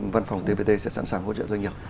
văn phòng tbt sẽ sẵn sàng hỗ trợ doanh nghiệp